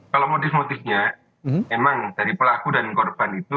kalau motif motifnya emang dari pelaku dan korban itu